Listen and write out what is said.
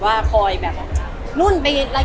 คงเป็นแบบเรื่องปกติที่แบบ